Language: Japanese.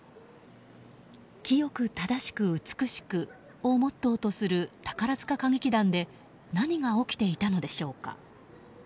「清く正しく美しく」をモットーとする宝塚歌劇団で何が起きていたのでしょうか。